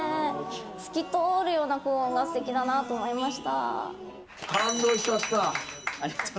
透き通るような高音が素敵だなと思いました。